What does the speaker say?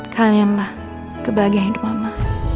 kalianlah kebahagiaan hidup mama